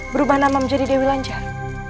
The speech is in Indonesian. berubah nama menjadi dewi lancar